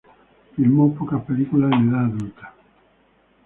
Filmó pocas películas en edad adulta.